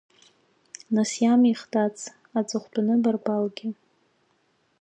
Нас иамихит ац, аҵыхәтәаны абарбалгьы.